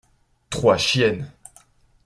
Trois chiennes.